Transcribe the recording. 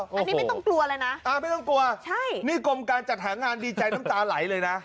อันนี้ไม่ต้องกลัวเลยนะอ่าไม่ต้องกลัวใช่นี่กรมการจัดหางานดีใจน้ำตาไหลเลยนะ